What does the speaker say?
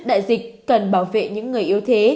đại dịch cần bảo vệ những người yếu thế